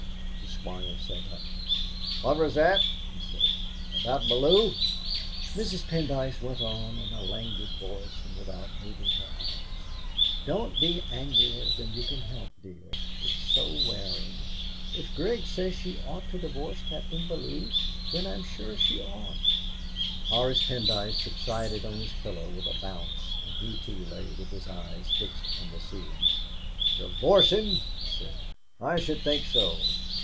The Squire sat up. "What was that," he said, "about Bellew?" Mrs. Pendyce went on in a languid voice and without moving her eyes: "Don't be angrier than you can help, dear; it is so wearing. If Grig says she ought to divorce Captain Bellew, then I'm sure she ought." Horace Pendyce subsided on his pillow with a bounce, and he too lay with his eyes fixed on the ceiling. "Divorce him!" he said "I should think so!